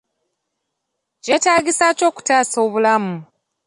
Kyetaagisa ki okutaasa obulamu?